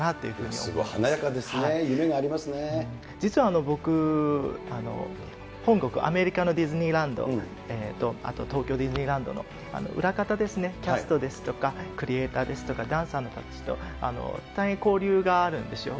すごい華やかですね、夢があ実は僕、本国、アメリカのディズニーランド、あと東京ディズニーランドの裏方ですね、キャストですとか、クリエイターとかダンサーの方たちと大変交流があるんですよ。